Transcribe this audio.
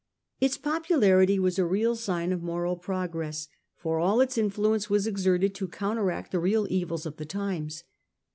Its popularity was a real sign of moral progress, for all its influence was exerted to counteract the real evils of the times.